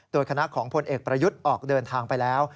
โดยคณะของพลเอกประยุทธ์ออกเดินทางไปแล้ว